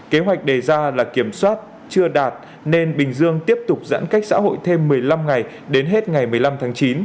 kế hoạch đề ra là kiểm soát chưa đạt nên bình dương tiếp tục giãn cách xã hội thêm một mươi năm ngày đến hết ngày một mươi năm tháng chín